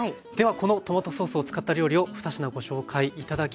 このトマトソースを使った料理を２品ご紹介頂きます。